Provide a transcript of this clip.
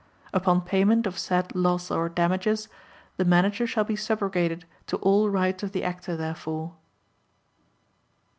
Upon payment of said loss or damage the Manager shall be subrogated to all rights of the Actor therefor.